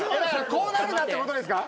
こうなるなってことですか？